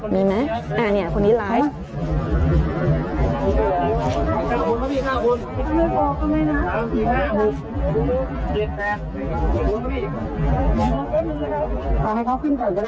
มีไหมอ่าเนี่ยคนนี้ไลฟ์